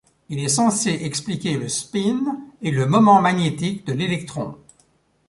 Il est censé expliquer le spin et le moment magnétique de l'électron.